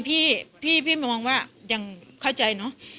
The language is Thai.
กินโทษส่องแล้วอย่างนี้ก็ได้